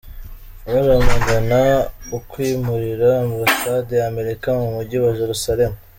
Baramagana ukwimurira Ambasade ya Amerika mu mujyi wa Jerusalem.